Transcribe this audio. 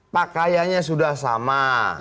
pak kayanya sudah sama